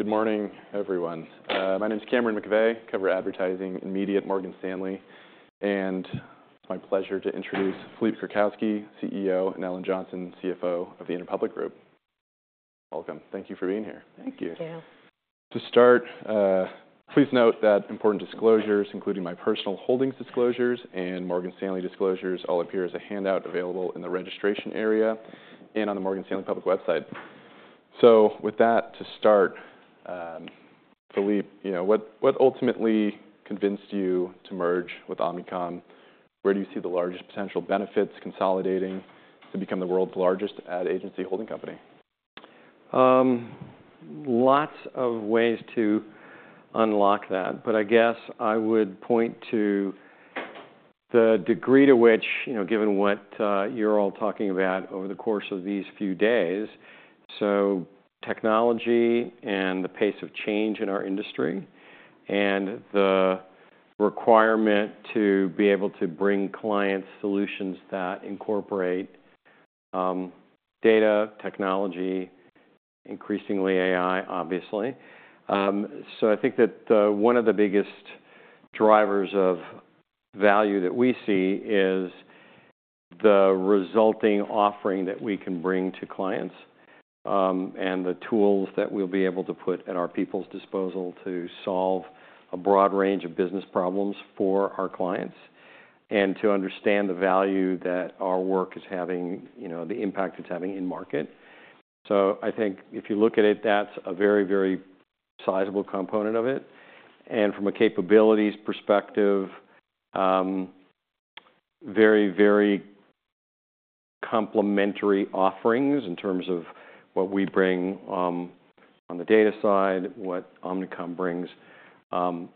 Good morning, everyone. My name is Cameron McVeigh. I cover advertising and media at Morgan Stanley, and it's my pleasure to introduce Philippe Krakowsky, CEO, and Ellen Johnson, CFO of the Interpublic Group. Welcome. Thank you for being here. Thank you. Thank you. To start, please note that important disclosures, including my personal holdings disclosures and Morgan Stanley disclosures, all appear as a handout available in the registration area and on the Morgan Stanley public website. So with that, to start, Philippe, what ultimately convinced you to merge with Omnicom? Where do you see the largest potential benefits consolidating to become the world's largest ad agency holding company? Lots of ways to unlock that, but I guess I would point to the degree to which, given what you're all talking about over the course of these few days, so technology and the pace of change in our industry and the requirement to be able to bring clients solutions that incorporate data, technology, increasingly AI, obviously, so I think that one of the biggest drivers of value that we see is the resulting offering that we can bring to clients and the tools that we'll be able to put at our people's disposal to solve a broad range of business problems for our clients and to understand the value that our work is having, the impact it's having in market, so I think if you look at it, that's a very, very sizable component of it. And from a capabilities perspective, very, very complementary offerings in terms of what we bring on the data side, what Omnicom brings on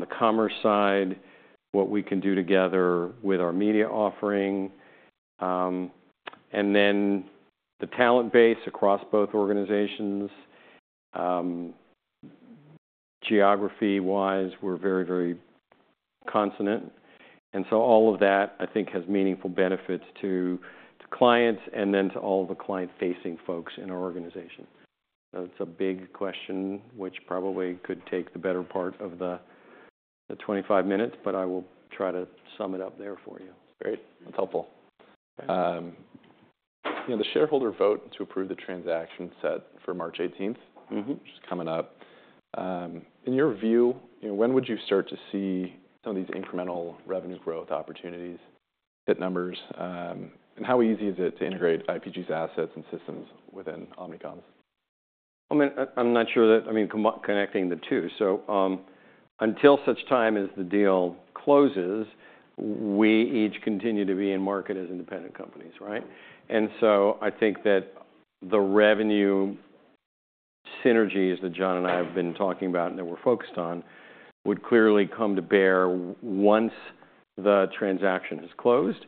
the commerce side, what we can do together with our media offering, and then the talent base across both organizations. Geography-wise, we're very, very consonant. And so all of that, I think, has meaningful benefits to clients and then to all the client-facing folks in our organization. So it's a big question, which probably could take the better part of the 25 minutes, but I will try to sum it up there for you. Great. That's helpful. The shareholder vote to approve the transaction set for March 18th, which is coming up. In your view, when would you start to see some of these incremental revenue growth opportunities hit numbers? And how easy is it to integrate IPG's assets and systems within Omnicom's? I'm not sure that, I mean, connecting the two. Until such time as the deal closes, we each continue to be in market as independent companies, right? I think that the revenue synergies that John and I have been talking about and that we're focused on would clearly come to bear once the transaction is closed.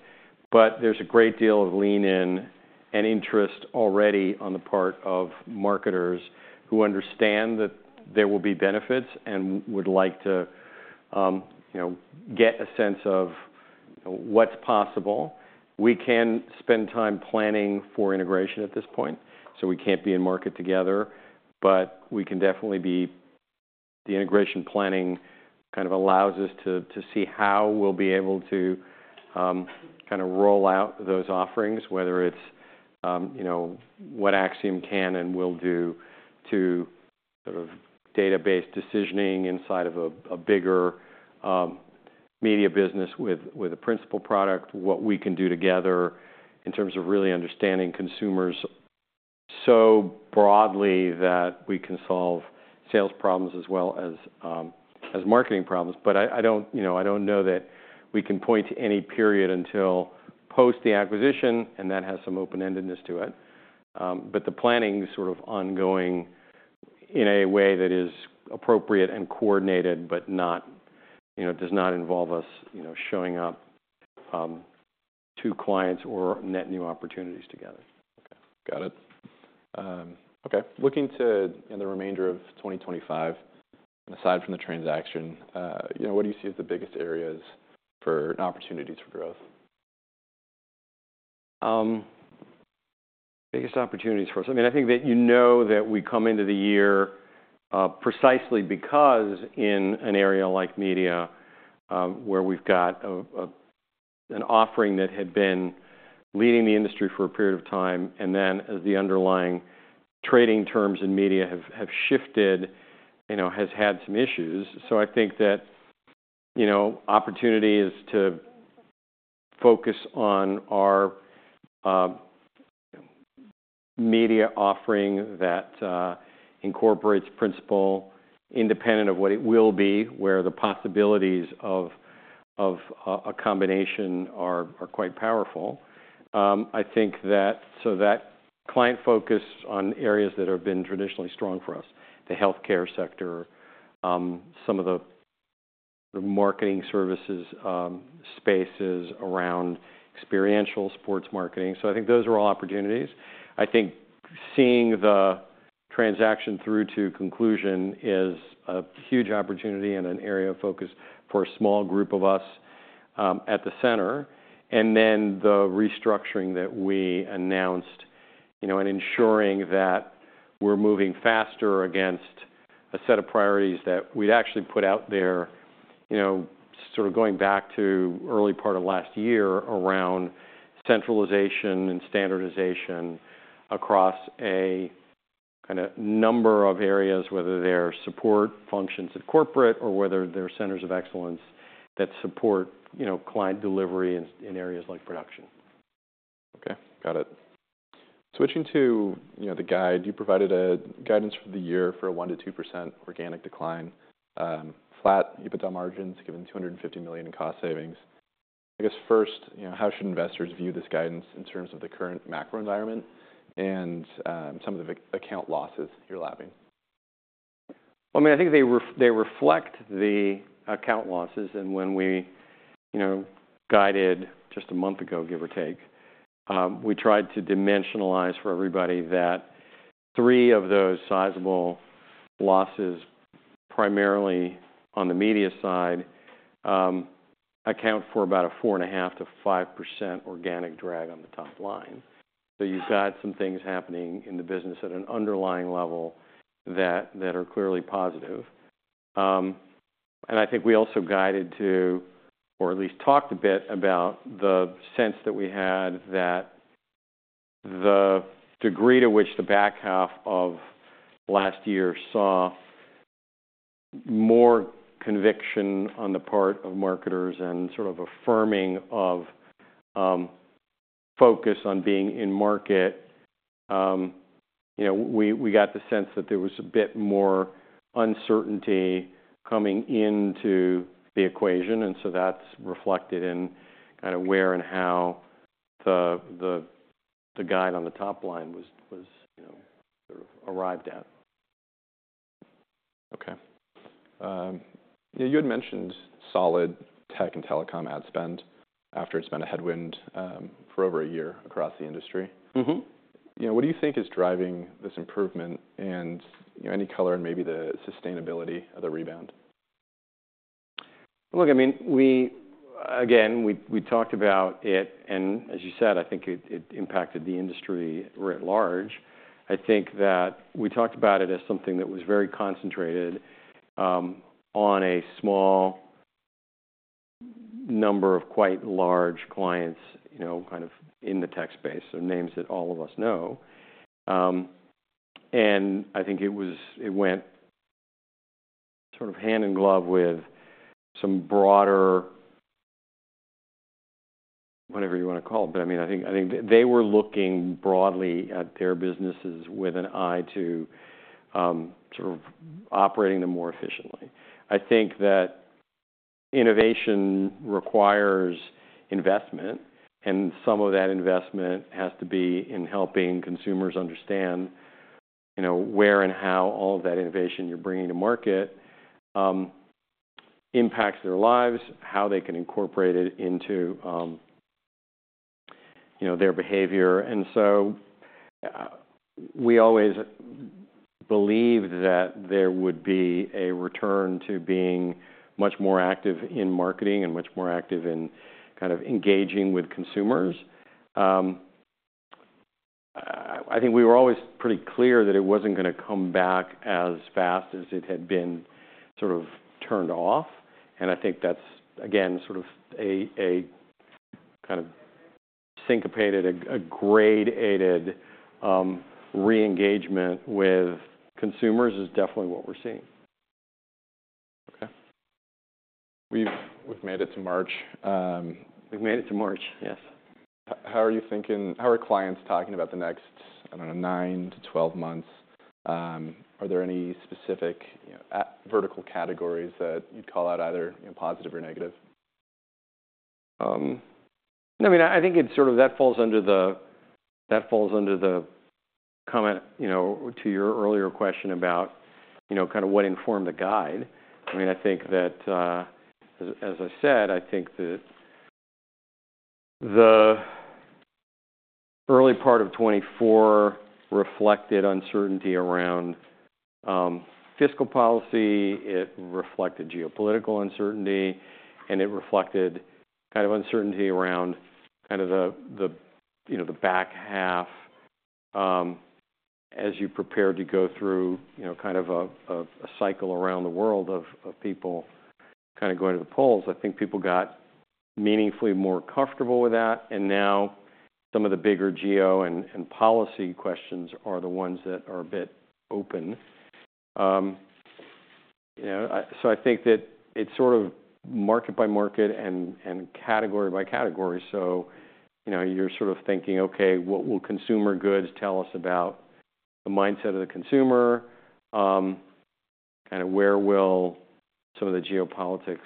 But there's a great deal of lean-in and interest already on the part of marketers who understand that there will be benefits and would like to get a sense of what's possible. We can spend time planning for integration at this point, so we can't be in market together, but we can definitely be the integration planning kind of allows us to see how we'll be able to kind of roll out those offerings, whether it's what Acxiom can and will do to sort of data-based decisioning inside of a bigger media business with a principal product, what we can do together in terms of really understanding consumers so broadly that we can solve sales problems as well as marketing problems. But I don't know that we can point to any period until post the acquisition, and that has some open-endedness to it. But the planning is sort of ongoing in a way that is appropriate and coordinated, but does not involve us showing up to clients or net new opportunities together. Got it. Okay. Looking to the remainder of 2025, and aside from the transaction, what do you see as the biggest areas for opportunities for growth? Biggest opportunities for us. I mean, I think that you know that we come into the year precisely because in an area like media where we've got an offering that had been leading the industry for a period of time, and then as the underlying trading terms in media have shifted, has had some issues. So I think that opportunity is to focus on our media offering that incorporates principal, independent of what it will be, where the possibilities of a combination are quite powerful. I think that so that client focus on areas that have been traditionally strong for us, the healthcare sector, some of the marketing services spaces around experiential sports marketing. So I think those are all opportunities. I think seeing the transaction through to conclusion is a huge opportunity and an area of focus for a small group of us at the center. Then the restructuring that we announced and ensuring that we're moving faster against a set of priorities that we'd actually put out there, sort of going back to early part of last year around centralization and standardization across a kind of number of areas, whether they're support functions at corporate or whether they're centers of excellence that support client delivery in areas like production. Okay. Got it. Switching to the guide, you provided guidance for the year for a 1%-2% organic decline, flat EBITDA margins given $250 million in cost savings. I guess first, how should investors view this guidance in terms of the current macro environment and some of the account losses you're lapping? I mean, I think they reflect the account losses. When we guided just a month ago, give or take, we tried to dimensionalize for everybody that three of those sizable losses, primarily on the media side, account for about a 4.5%-5% organic drag on the top line. You've got some things happening in the business at an underlying level that are clearly positive. I think we also guided to, or at least talked a bit about the sense that we had that the degree to which the back half of last year saw more conviction on the part of marketers and sort of affirming of focus on being in market, we got the sense that there was a bit more uncertainty coming into the equation. And so that's reflected in kind of where and how the guide on the top line was sort of arrived at. Okay. You had mentioned solid tech and telecom ad spend after it's been a headwind for over a year across the industry. What do you think is driving this improvement and any color in maybe the sustainability of the rebound? Look, I mean, again, we talked about it, and as you said, I think it impacted the industry writ large. I think that we talked about it as something that was very concentrated on a small number of quite large clients kind of in the tech space, so names that all of us know, and I think it went sort of hand in glove with some broader, whatever you want to call it, but I mean, I think they were looking broadly at their businesses with an eye to sort of operating them more efficiently. I think that innovation requires investment, and some of that investment has to be in helping consumers understand where and how all of that innovation you're bringing to market impacts their lives, how they can incorporate it into their behavior. And so we always believed that there would be a return to being much more active in marketing and much more active in kind of engaging with consumers. I think we were always pretty clear that it wasn't going to come back as fast as it had been sort of turned off. And I think that's, again, sort of a kind of syncopated, AI-aided re-engagement with consumers is definitely what we're seeing. Okay. We've made it to March. We've made it to March, yes. How are you thinking? How are clients talking about the next, I don't know, nine to 12 months? Are there any specific vertical categories that you'd call out either positive or negative? I mean, I think that falls under the comment to your earlier question about kind of what informed the guide. I mean, I think that, as I said, I think that the early part of 2024 reflected uncertainty around fiscal policy. It reflected geopolitical uncertainty, and it reflected kind of uncertainty around kind of the back half as you prepare to go through kind of a cycle around the world of people kind of going to the polls. I think people got meaningfully more comfortable with that, and now some of the bigger geo and policy questions are the ones that are a bit open, so I think that it's sort of market by market and category by category, so you're sort of thinking, okay, what will consumer goods tell us about the mindset of the consumer? Kind of where will some of the geopolitics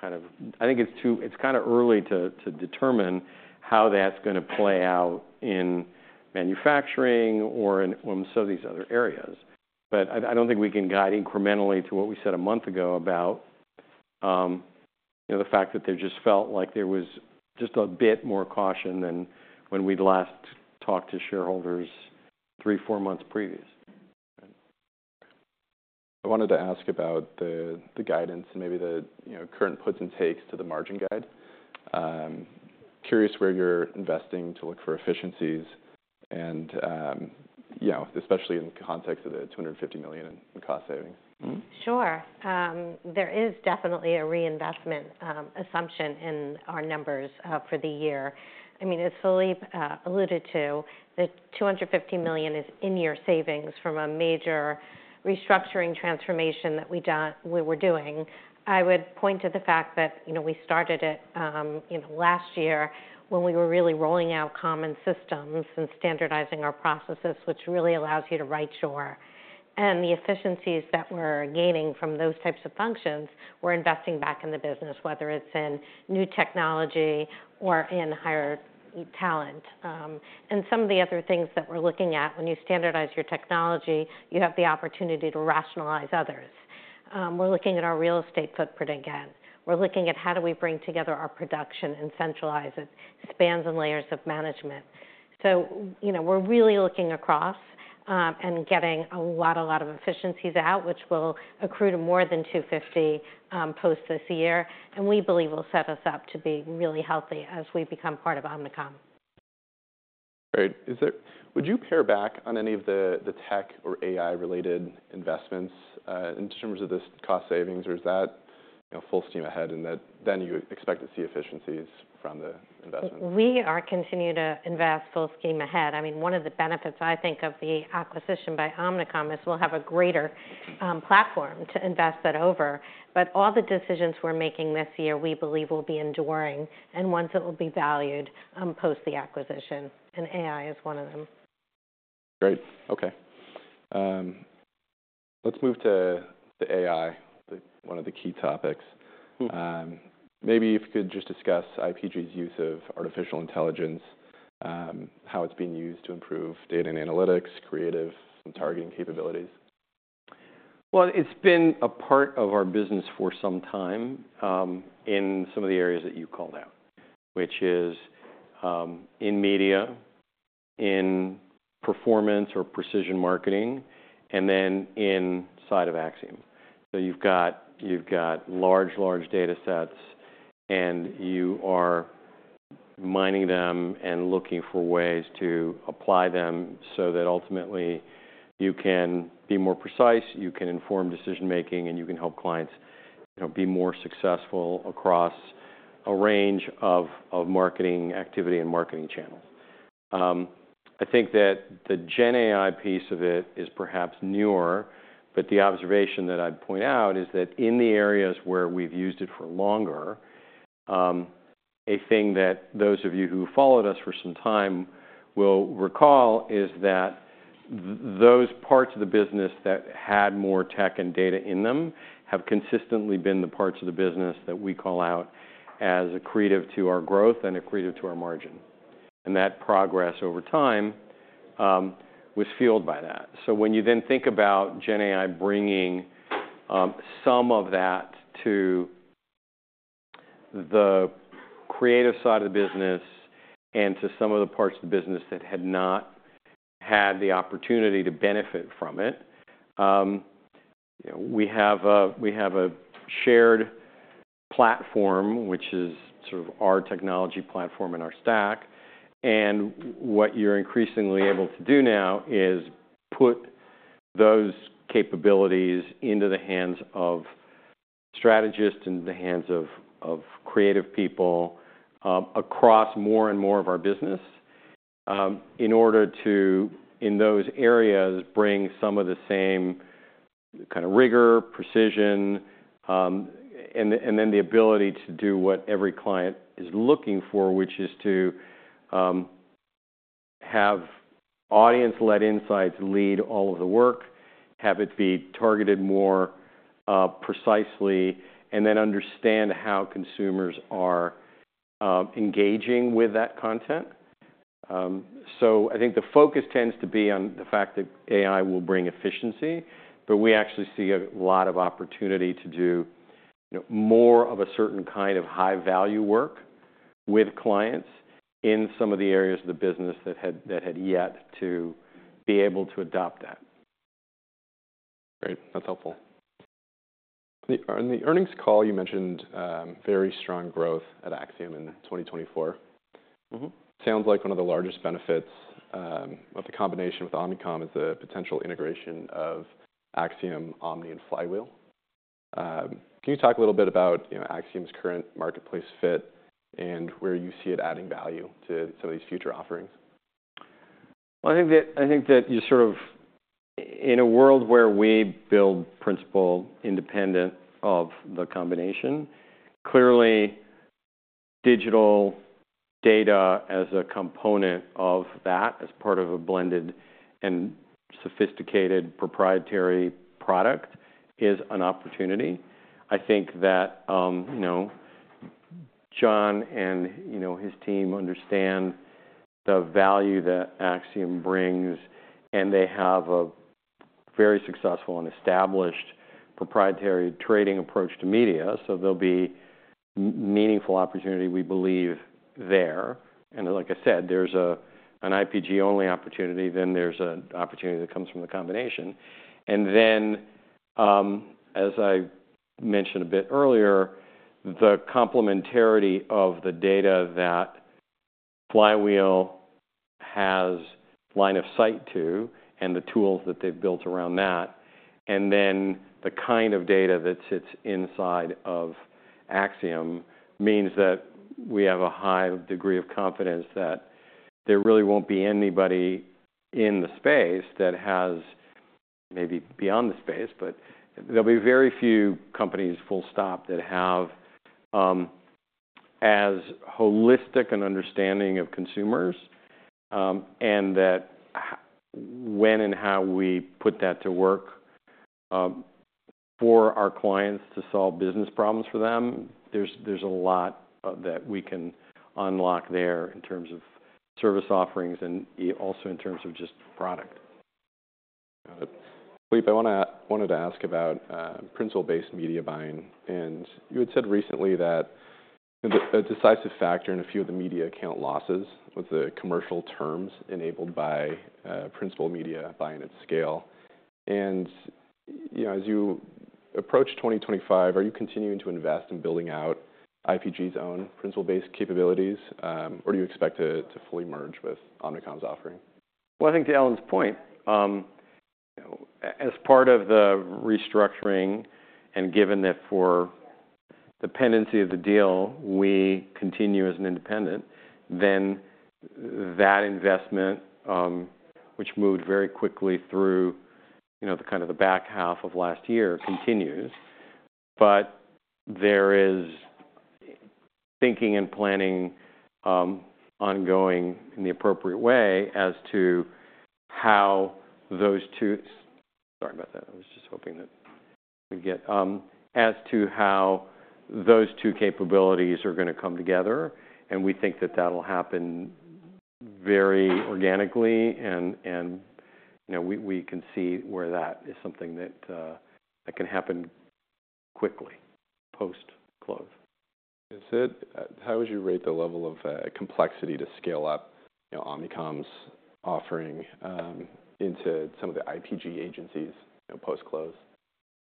kind of. I think it's kind of early to determine how that's going to play out in manufacturing or in some of these other areas. But I don't think we can guide incrementally to what we said a month ago about the fact that there just felt like there was just a bit more caution than when we'd last talked to shareholders three, four months previous. I wanted to ask about the guidance and maybe the current puts and takes to the margin guide. Curious where you're investing to look for efficiencies, and especially in the context of the $250 million in cost saving. Sure. There is definitely a reinvestment assumption in our numbers for the year. I mean, as Philippe alluded to, the $250 million is in your savings from a major restructuring transformation that we were doing. I would point to the fact that we started it last year when we were really rolling out common systems and standardizing our processes, which really allows you to realize. And the efficiencies that we're gaining from those types of functions, we're investing back in the business, whether it's in new technology or in higher talent. And some of the other things that we're looking at, when you standardize your technology, you have the opportunity to rationalize others. We're looking at our real estate footprint again. We're looking at how do we bring together our production and centralize it, spans and layers of management. So we're really looking across and getting a lot, a lot of efficiencies out, which will accrue to more than 250 positions this year. We believe will set us up to be really healthy as we become part of Omnicom. Great. Would you pare back on any of the tech or AI-related investments in terms of this cost savings, or is that full steam ahead and that then you expect to see efficiencies from the investment? We are continuing to invest full steam ahead. I mean, one of the benefits I think of the acquisition by Omnicom is we'll have a greater platform to invest that over. But all the decisions we're making this year, we believe will be enduring and ones that will be valued post the acquisition, and AI is one of them. Great. Okay. Let's move to AI, one of the key topics. Maybe if you could just discuss IPG's use of artificial intelligence, how it's being used to improve data and analytics, creative targeting capabilities. It's been a part of our business for some time in some of the areas that you called out, which is in media, in performance or precision marketing, and then inside of Acxiom. So you've got large, large data sets, and you are mining them and looking for ways to apply them so that ultimately you can be more precise, you can inform decision-making, and you can help clients be more successful across a range of marketing activity and marketing channels. I think that the GenAI piece of it is perhaps newer, but the observation that I'd point out is that in the areas where we've used it for longer, a thing that those of you who followed us for some time will recall is that those parts of the business that had more tech and data in them have consistently been the parts of the business that we call out as accretive to our growth and accretive to our margin, and that progress over time was fueled by that, so when you then think about GenAI bringing some of that to the creative side of the business and to some of the parts of the business that had not had the opportunity to benefit from it, we have a shared platform, which is sort of our technology platform and our stack. And what you're increasingly able to do now is put those capabilities into the hands of strategists and the hands of creative people across more and more of our business in order to, in those areas, bring some of the same kind of rigor, precision, and then the ability to do what every client is looking for, which is to have audience-led insights lead all of the work, have it be targeted more precisely, and then understand how consumers are engaging with that content. So I think the focus tends to be on the fact that AI will bring efficiency, but we actually see a lot of opportunity to do more of a certain kind of high-value work with clients in some of the areas of the business that had yet to be able to adopt that. Great. That's helpful. On the earnings call, you mentioned very strong growth at Acxiom in 2024. Sounds like one of the largest benefits of the combination with Omnicom is the potential integration of Acxiom, Omni, and Flywheel. Can you talk a little bit about Acxiom's current marketplace fit and where you see it adding value to some of these future offerings? I think that you're sort of in a world where we build principal independent of the combination. Clearly, digital data as a component of that, as part of a blended and sophisticated proprietary product, is an opportunity. I think that John and his team understand the value that Acxiom brings, and they have a very successful and established proprietary trading approach to media. So there'll be meaningful opportunity, we believe, there. And like I said, there's an IPG-only opportunity, then there's an opportunity that comes from the combination. And then, as I mentioned a bit earlier, the complementarity of the data that Flywheel has line of sight to and the tools that they've built around that, and then the kind of data that sits inside of Acxiom means that we have a high degree of confidence that there really won't be anybody in the space that has maybe beyond the space, but there'll be very few companies full stop that have as holistic an understanding of consumers and that when and how we put that to work for our clients to solve business problems for them. There's a lot that we can unlock there in terms of service offerings and also in terms of just product. Got it. Philippe, I wanted to ask about principal-based media buying. You had said recently that a decisive factor in a few of the media account losses was the commercial terms enabled by principal media buying at scale. As you approach 2025, are you continuing to invest in building out IPG's own principal-based capabilities, or do you expect to fully merge with Omnicom's offering? I think to Ellen's point, as part of the restructuring and given that for the pendency of the deal, we continue as an independent, then that investment, which moved very quickly through the kind of the back half of last year, continues, but there is thinking and planning ongoing in the appropriate way as to how those two. Sorry about that. I was just hoping that we'd get as to how those two capabilities are going to come together, and we think that that'll happen very organically, and we can see where that is something that can happen quickly post-close. How would you rate the level of complexity to scale up Omnicom's offering into some of the IPG agencies post-close?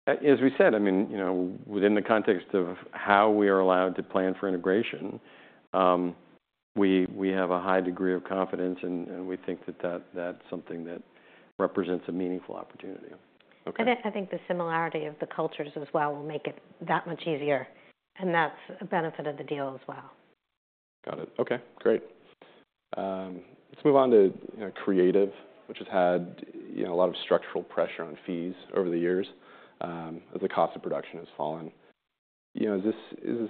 As we said, I mean, within the context of how we are allowed to plan for integration, we have a high degree of confidence, and we think that that's something that represents a meaningful opportunity. I think the similarity of the cultures as well will make it that much easier. And that's a benefit of the deal as well. Got it. Okay. Great. Let's move on to creative, which has had a lot of structural pressure on fees over the years as the cost of production has fallen. Is this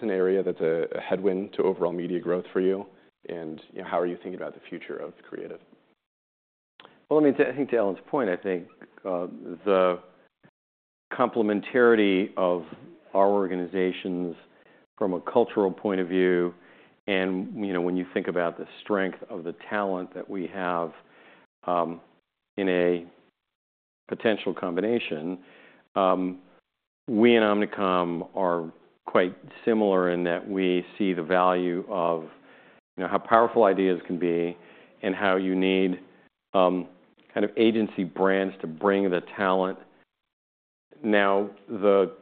an area that's a headwind to overall media growth for you? And how are you thinking about the future of creative? Well, I mean, I think to Ellen's point, I think the complementarity of our organizations from a cultural point of view, and when you think about the strength of the talent that we have in a potential combination, we and Omnicom are quite similar in that we see the value of how powerful ideas can be and how you need kind of agency brands to bring the talent. Now, the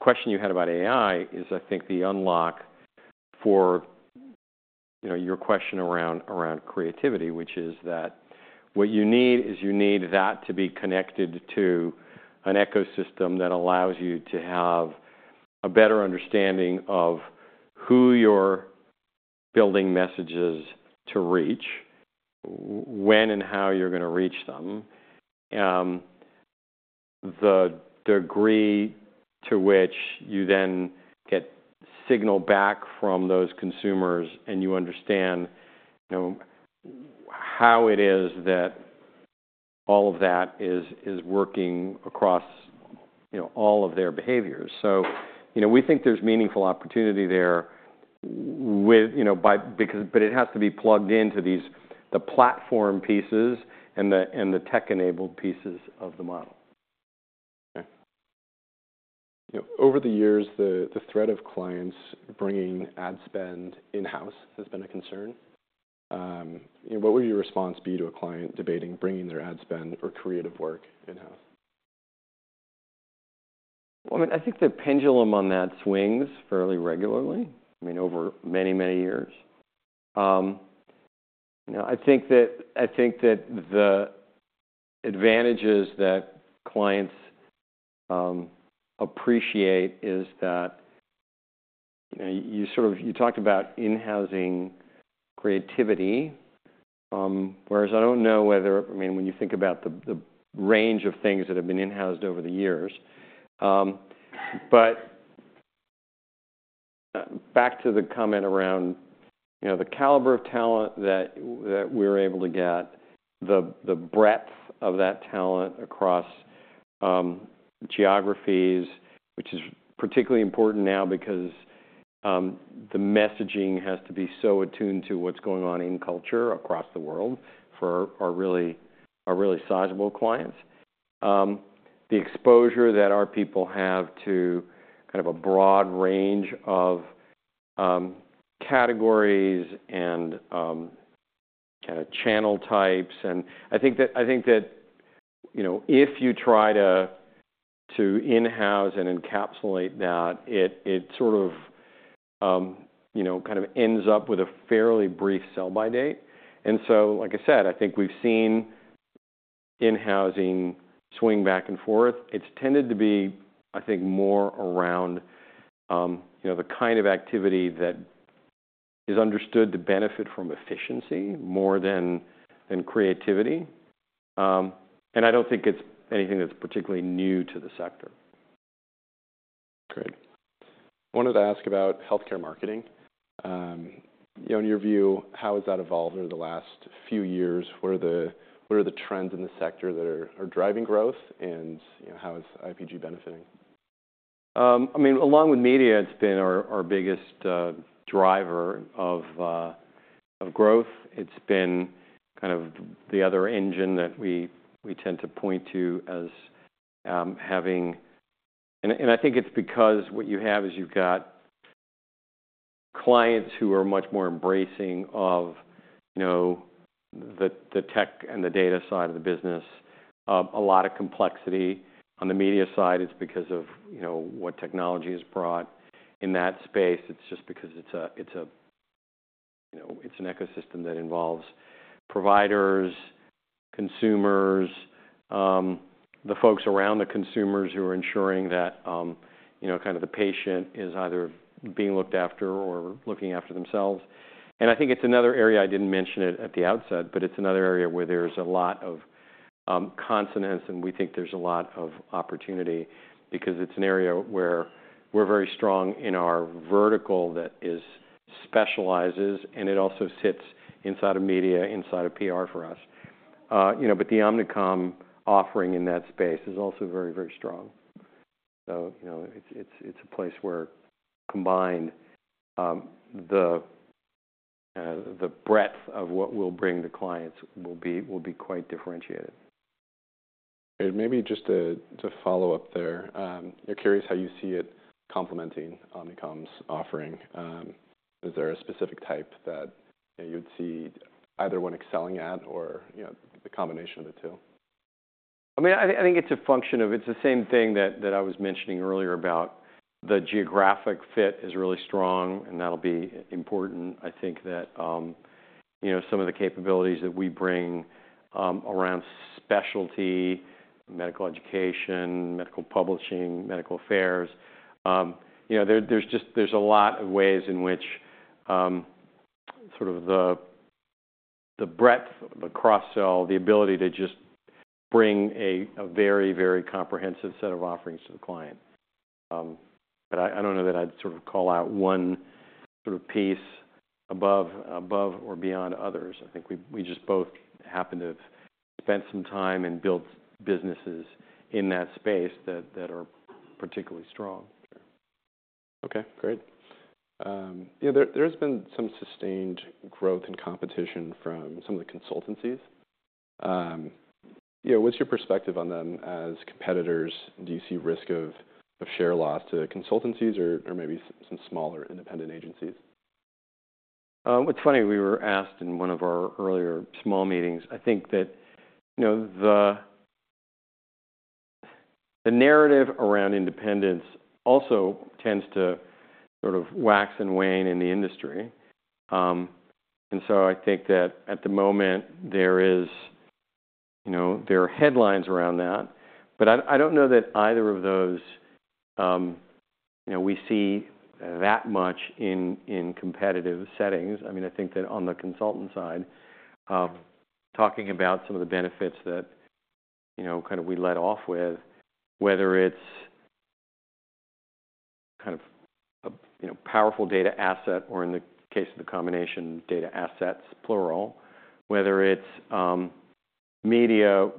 question you had about AI is, I think, the unlock for your question around creativity, which is that what you need is you need that to be connected to an ecosystem that allows you to have a better understanding of who you're building messages to reach, when and how you're going to reach them, the degree to which you then get signal back from those consumers, and you understand how it is that all of that is working across all of their behaviors. So we think there's meaningful opportunity there with, but it has to be plugged into the platform pieces and the tech-enabled pieces of the model. Okay. Over the years, the threat of clients bringing ad spend in-house has been a concern. What would your response be to a client debating bringing their ad spend or creative work in-house? I mean, I think the pendulum on that swings fairly regularly, I mean, over many, many years. I think that the advantages that clients appreciate is that you sort of, you talked about in-housing creativity, whereas I don't know whether, I mean, when you think about the range of things that have been in-housed over the years, but back to the comment around the caliber of talent that we're able to get, the breadth of that talent across geographies, which is particularly important now because the messaging has to be so attuned to what's going on in culture across the world for our really sizable clients. The exposure that our people have to kind of a broad range of categories and kind of channel types, and I think that if you try to in-house and encapsulate that, it sort of kind of ends up with a fairly brief sell-by date. And so, like I said, I think we've seen in-housing swing back and forth. It's tended to be, I think, more around the kind of activity that is understood to benefit from efficiency more than creativity. And I don't think it's anything that's particularly new to the sector. Great. I wanted to ask about healthcare marketing. In your view, how has that evolved over the last few years? What are the trends in the sector that are driving growth, and how is IPG benefiting? I mean, along with media, it's been our biggest driver of growth. It's been kind of the other engine that we tend to point to as having, and I think it's because what you have is you've got clients who are much more embracing of the tech and the data side of the business, a lot of complexity. On the media side, it's because of what technology has brought in that space. It's just because it's an ecosystem that involves providers, consumers, the folks around the consumers who are ensuring that kind of the patient is either being looked after or looking after themselves. And I think it's another area - I didn't mention it at the outset, but it's another area where there's a lot of consonance, and we think there's a lot of opportunity because it's an area where we're very strong in our vertical that specializes, and it also sits inside of media, inside of PR for us. But the Omnicom offering in that space is also very, very strong. So it's a place where combined, the breadth of what we'll bring to clients will be quite differentiated. Maybe just to follow up there, you're curious how you see it complementing Omnicom's offering. Is there a specific type that you'd see either one excelling at or the combination of the two? I mean, I think it's a function of, it's the same thing that I was mentioning earlier about the geographic fit is really strong, and that'll be important. I think that some of the capabilities that we bring around specialty, medical education, medical publishing, medical affairs, there's a lot of ways in which sort of the breadth, the cross-sell, the ability to just bring a very, very comprehensive set of offerings to the client. But I don't know that I'd sort of call out one sort of piece above or beyond others. I think we just both happen to have spent some time and built businesses in that space that are particularly strong. Okay. Great. There has been some sustained growth and competition from some of the consultancies. What's your perspective on them as competitors? Do you see risk of share loss to consultancies or maybe some smaller independent agencies? What's funny, we were asked in one of our earlier small meetings. I think that the narrative around independence also tends to sort of wax and wane in the industry. And so I think that at the moment, there are headlines around that. But I don't know that either of those we see that much in competitive settings. I mean, I think that on the consultant side, talking about some of the benefits that kind of we led off with, whether it's kind of a powerful data asset or in the case of the combination data assets, plural, whether it's media,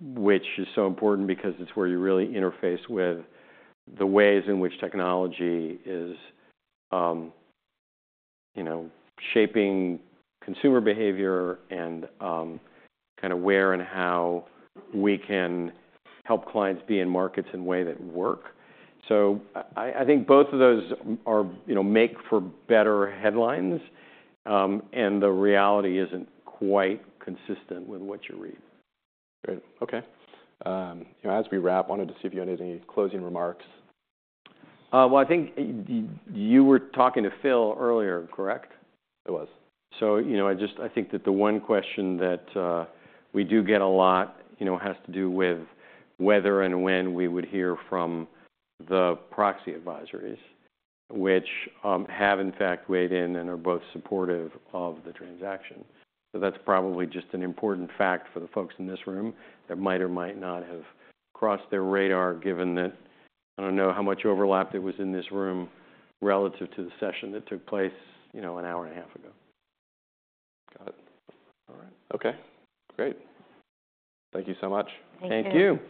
which is so important because it's where you really interface with the ways in which technology is shaping consumer behavior and kind of where and how we can help clients be in markets in a way that works. So I think both of those make for better headlines, and the reality isn't quite consistent with what you read. Great. Okay. As we wrap, I wanted to see if you had any closing remarks. I think you were talking to Phil earlier, correct? It was. So I think that the one question that we do get a lot has to do with whether and when we would hear from the proxy advisors, which have, in fact, weighed in and are both supportive of the transaction. So that's probably just an important fact for the folks in this room that might or might not have crossed their radar given that I don't know how much overlap there was in this room relative to the session that took place an hour and a half ago. Got it. All right. Okay. Great. Thank you so much. Thank you. Thank you.